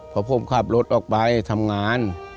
พอผมขับรถออกไปทำงาน